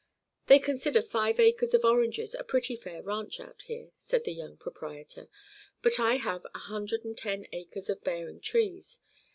"They consider five acres of oranges a pretty fair ranch, out here," said the young proprietor; "but I have a hundred and ten acres of bearing trees.